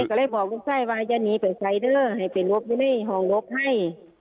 ก็เลยบอกลูกไส้ว่าจะหนีไปใส่เด้อให้เป็นรบอยู่ในหองรบให้